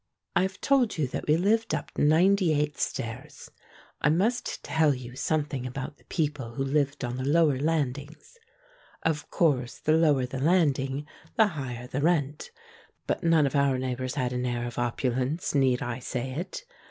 I have told you that we lived up ninety eight stairs; I must tell you something about the peo ple who lived on the lower landings. Of course the lower the landing, the higher the rent, but none of our neighbors had an air of opulence, need I say it?